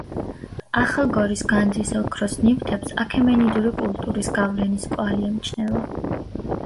ახალგორის განძის ოქროს ნივთებს აქემენიდური კულტურის გავლენის კვალი ემჩნევა.